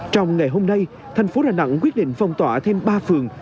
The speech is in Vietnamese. trong ngày hôm nay thành phố đà nẵng quyết định phong tỏa thêm ba phường